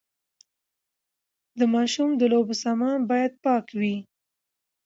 د ماشوم د لوبو سامان باید پاک وي۔